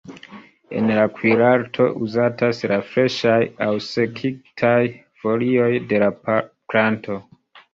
En la kuirarto uzatas la freŝaj aŭ sekigitaj folioj de la planto.